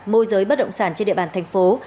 môi giới bất động sản trên địa bàn thành phố